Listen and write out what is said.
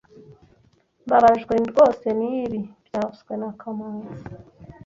Mbabajwe rwose nibi byavuzwe na kamanzi